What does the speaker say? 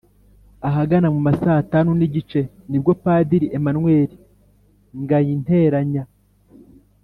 ahagana mu ma saa tanu n’igice nibwo padiri emmanuel ngayinteranya